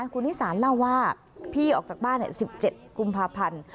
คุณนิสานเล่าว่าพี่ออกจากบ้าน๑๗กุมภาพันธ์